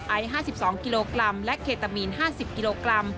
ไอ๕๒กิโลกรัมและเคตามีน๕๐กิโลกรัม